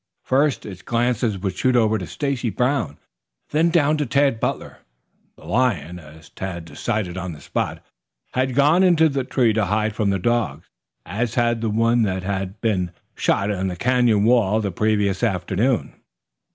First, its glances would shoot over to Stacy Brown, then down to Tad Butler. The lion, as Tad decided on the spot, had gone into the tree to hide from the dogs as had the one that had been shot on the canyon wall the previous afternoon.